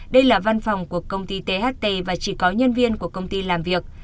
đây là văn phòng của công ty tht và chỉ có nhân viên của công ty làm việc